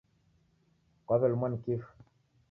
Kwaw'elumwa ni kifu?